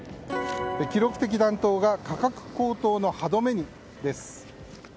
記録的暖冬が価格高騰の歯止めにです。